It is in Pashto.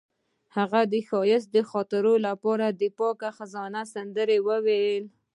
هغې د ښایسته خاطرو لپاره د پاک خزان سندره ویله.